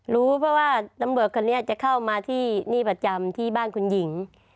รู้เพราะว่าตำรวจคนนี้จะเข้ามาที่นี่ประจำที่บ้านคุณหญิง